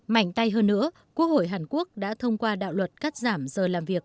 mạnh tay hơn nữa quốc hội hàn quốc đã thông qua đạo luật cắt giảm giờ làm việc